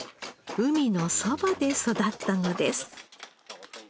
海のそばで育ったのです。